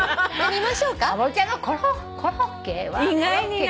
見ましょうか。